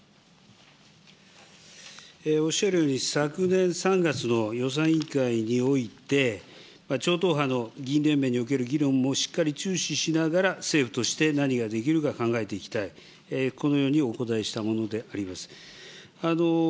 おっしゃるように昨年３月の予算委員会において、超党派の議員連盟における議論もしっかり注視しながら政府として何ができるか考えていきたい、このようにお答えしたものであります。